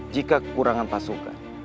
jika kekurangan pasukan